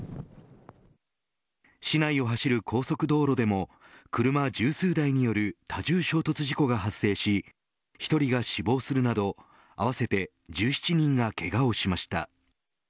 市内を走る高速道路でも車十数台による多重衝突事故が発生し１人が死亡するなど合わせて１７人がけがをしました。